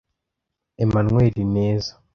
Emmanuel Neza